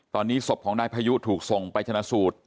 ตอนนี้ศพของนายพายุถูกส่งไปชนะสูตร